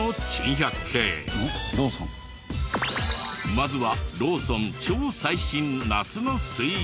まずはローソン超最新夏のスイーツ。